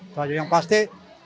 itu aja yang pasti